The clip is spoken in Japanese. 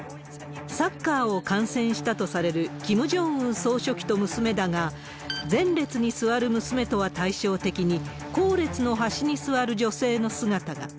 サッカーを観戦したとされるキム・ジョンウン総書記と娘だが、前列に座る娘とは対照的に、後列の端に座る女性の姿が。